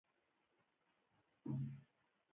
کله چې مسلمانان دغه هندارې له کورونو لاندې راوغورځوي.